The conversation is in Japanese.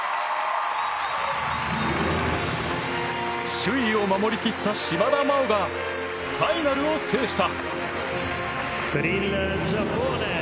首位を守り切った島田麻央がファイナルを制した。